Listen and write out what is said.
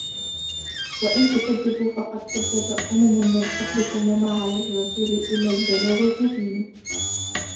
وَإِنْ تُكَذِّبُوا فَقَدْ كَذَّبَ أُمَمٌ مِنْ قَبْلِكُمْ وَمَا عَلَى الرَّسُولِ إِلَّا الْبَلَاغُ الْمُبِينُ